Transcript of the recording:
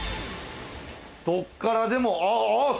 どっからでもあっあっ！